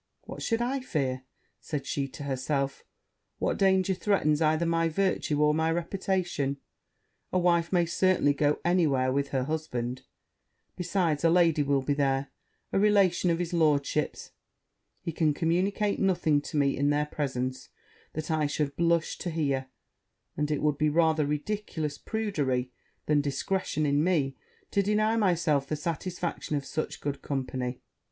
'What should I fear?' said she to herself; 'what danger threatens either my virtue or my reputation? A wife may certainly go any where with her husband: besides, a lady will be there, a relation of his lordship's; he can communicate nothing to me in their presence that I should blush to hear; and it would be rather ridiculous prudery, than discretion in me, to deny myself the satisfaction of such good company.'